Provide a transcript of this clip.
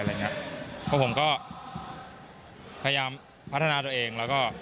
เพราะผมก็พยายามพัฒนาตัวเอง